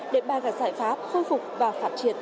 để ba gã giải pháp khôi phục và phát triển